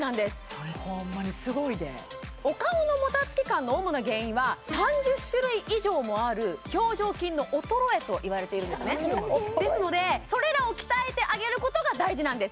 それホンマにすごいでお顔のもたつき感の主な原因は３０種類以上もある表情筋の衰えといわれているんですねですのでそれらを鍛えてあげることが大事なんです